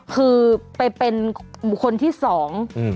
คือไปเป็นคนที่สอง